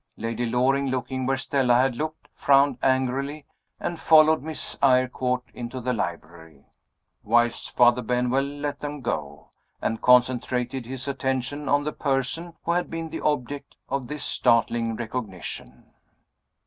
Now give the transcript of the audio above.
Lady Loring, looking where Stella had looked, frowned angrily and followed Miss Eyrecourt into the library. Wise Father Benwell let them go, and concentrated his attention on the person who had been the object of this startling recognition.